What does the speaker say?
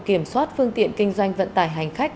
kiểm soát phương tiện kinh doanh vận tải hành khách